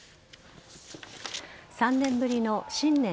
３年ぶりの新年